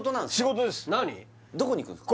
どこに行くんすか？